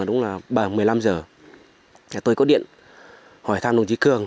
là đúng là bằng một mươi năm giờ tôi có điện hỏi thăm đồng chí cường